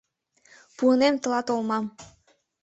Пуынем тылат олмам...»